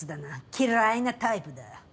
嫌いなタイプだ。